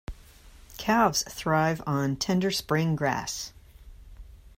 Calves thrive on tender spring grass.